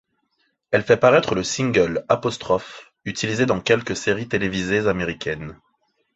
Elle fait paraître le single ', utilisé dans quelques séries télévisées américaines.